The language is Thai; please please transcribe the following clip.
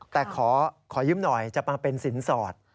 แต่ขอยืมหน่อยจะมาเป็นสินสอด